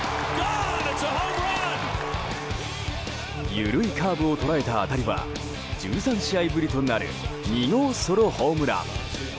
緩いカーブを捉えた当たりは１３試合ぶりとなる２号ソロホームラン。